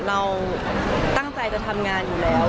เราตั้งใจจะทำงานอยู่แล้ว